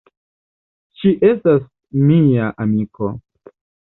Ŝi estas mia amiko.